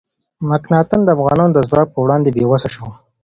مکناتن د افغانانو د ځواک په وړاندې بې وسه شو.